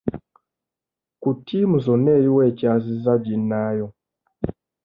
Ku ttiimu zonna eriwa ekyazizza ginnaayo.